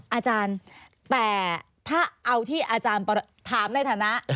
อาจารย์แต่ถ้าเอาที่อาจารย์ถามในฐานะ